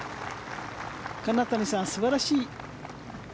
金谷さん、素晴らしい。